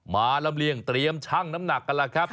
มาลำเลียงเตรียมชั่งน้ำหนักกันแล้วครับ